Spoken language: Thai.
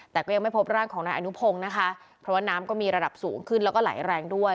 แต่ก็ยังไม่พบร่างของนายอนุพงศ์นะคะเพราะว่าน้ำก็มีระดับสูงขึ้นแล้วก็ไหลแรงด้วย